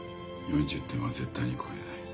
４０点は絶対に超えない。